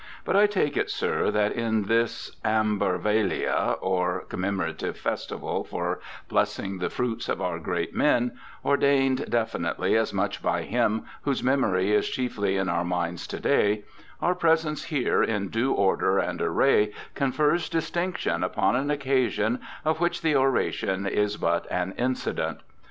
But I take it, Sir, that in this Ambarvalia or commemorative festival for blessing the fruits of our great men, ordained definitely as such by him whose memory is chiefly in our minds to day, our presence here in due order and array, confers distinction upon an occasion of which the oration is but an incident.